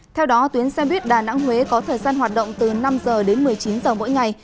theo đó tuyến xe buýt đà nẵng huế có thời gian hoạt động từ năm giờ đến một mươi chín h mỗi ngày